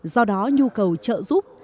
do đó nhu cầu trợ giúp